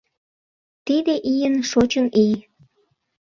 Тиде ийын шочын ий: